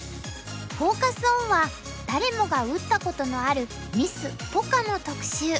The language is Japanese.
フォーカス・オンは誰もが打ったことのあるミスポカの特集。